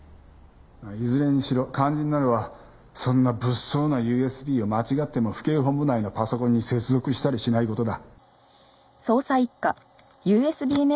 いずれにしろ肝心なのはそんな物騒なＵＳＢを間違っても府警本部内のパソコンに接続したりしない事だ。